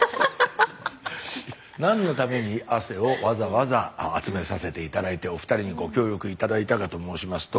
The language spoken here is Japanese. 何のために汗をわざわざ集めさせて頂いてお二人にご協力頂いたかと申しますと。